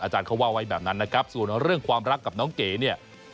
อาจารย์เขาว่าไว้แบบนั้นนะครับส่วนเรื่องความรักกับน้องเก๋เนี่ย